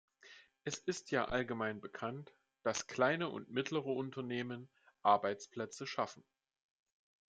Es ist ja allgemein bekannt, dass kleine und mittlere Unternehmen Arbeitsplätze schaffen.